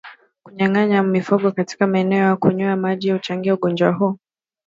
Kunyanganya mifugo katika maeneo ya kunywea maji huchangia ugonjwa huu